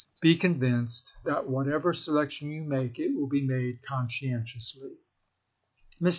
be convinced that whatever selection you make it will be made conscientiously." Mr.